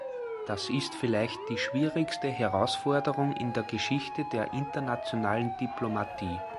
Das ist vielleicht die schwierigste Herausforderung in der Geschichte der internationalen Diplomatie.